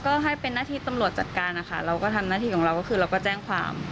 ก็ให้เป็นหน้าที่ตำรวจจัดการนะคะเราก็ทำหน้าที่ของเราก็คือเราก็แจ้งความ